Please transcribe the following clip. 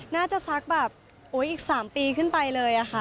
น่าจะซักแบบอีก๓ปีขึ้นไปเลยค่ะ